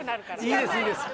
いいですいいです。